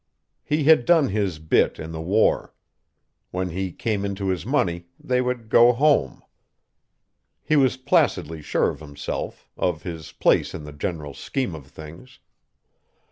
He had done his "bit" in the war. When he came into his money, they would go "home." He was placidly sure of himself, of his place in the general scheme of things.